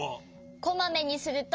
こまめにすると。